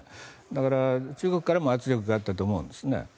だから、中国からも圧力があったと思うんですね。